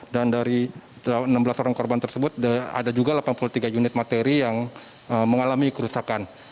dan dari enam belas orang korban tersebut ada juga delapan puluh tiga unit materi yang mengalami kerusakan